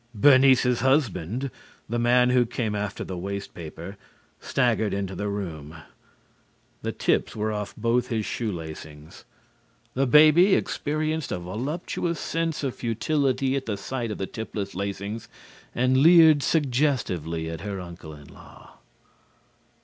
Bernice's husband, the man who came after the waste paper, staggered into the room. The tips were off both his shoe lacings. The baby experienced a voluptuous sense of futility at the sight of the tipless lacings and leered suggestively at her uncle in law.